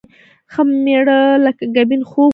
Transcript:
ښه مېړه لکه ګبين خوږ وي